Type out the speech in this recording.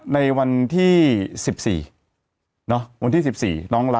ในวันที่๑๔